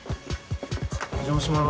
お邪魔します。